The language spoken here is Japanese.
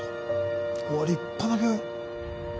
うわ立派な病院！